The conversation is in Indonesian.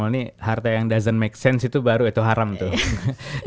ini harta yang duzon make sense itu baru itu haram tuh